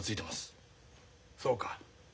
そうか。